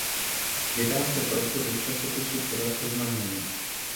Vydá se proto do časopisu podat oznámení.